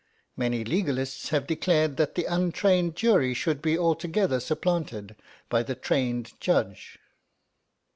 Many legalists have declared that the untrained jury should be altogether supplanted by the trained Judge.